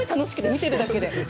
見てるだけで。